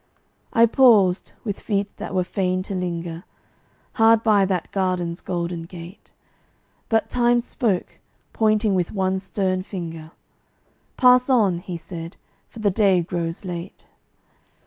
I paused, with feet that were fain to linger, Hard by that garden's golden gate, But Time spoke, pointing with one stern finger; "Pass on," he said, "for the day groes late."